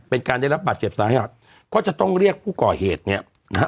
เป็นการได้รับบาดเจ็บสาหัสก็จะต้องเรียกผู้ก่อเหตุเนี่ยนะฮะ